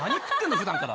ふだんから。